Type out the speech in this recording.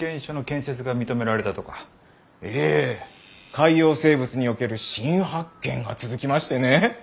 海洋生物における新発見が続きましてね！